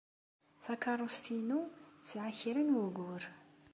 Takeṛṛust-inu tesɛa kra n wugur.